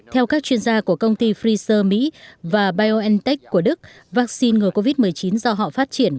theo các chuyên gia của công ty pfizer mỹ và biontech của đức vaccine ngừa covid một mươi chín do họ phát triển